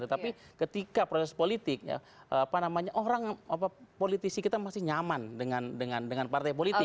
tetapi ketika proses politik ya apa namanya orang politisi kita masih nyaman dengan partai politik